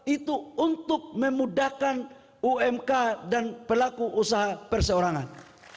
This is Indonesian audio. itu untuk memudahkan umk dan pelaku usaha perseorangan